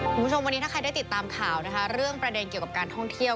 คุณผู้ชมวันนี้ถ้าใครได้ติดตามข่าวนะคะเรื่องประเด็นเกี่ยวกับการท่องเที่ยว